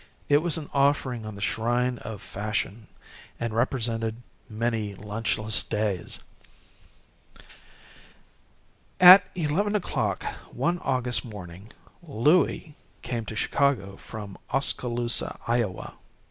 It was an offering on the shrine of Fashion, and represented many lunchless days. At eleven o'clock one August morning, Louie came to Chicago from Oskaloosa, Iowa.